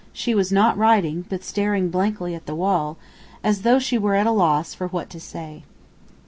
She was not writing, but staring blankly at the wall, as though she were at a loss for what to say.